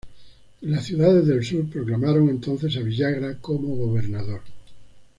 Las ciudades del sur proclamaron entonces a Villagra como gobernador.